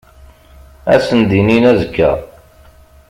Ad sen-d-inin azekka.